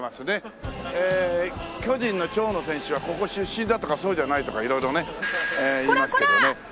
巨人の長野選手はここ出身だとかそうじゃないとか色々ね言いますけどね。